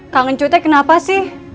kangen cutek kenapa sih